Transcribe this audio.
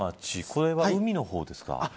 これは海の方ですか。